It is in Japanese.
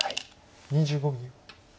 ２５秒。